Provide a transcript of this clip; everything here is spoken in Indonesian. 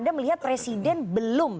anda melihat presiden belum